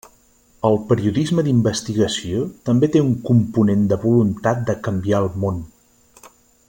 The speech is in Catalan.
El periodisme d'investigació també té un component de voluntat de canviar el món.